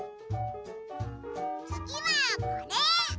つぎはこれ！